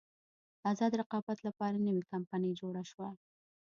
ازاد رقابت لپاره نوې کمپنۍ جوړه شوه.